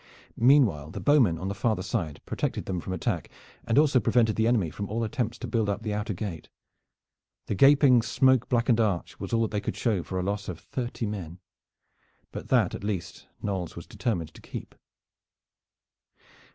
Meanwhile the bowmen on the farther side protected them from attack, and also prevented the enemy from all attempts to build up the outer gate. The gaping smoke blackened arch was all that they could show for a loss of thirty men, but that at least Knolles was determined to keep.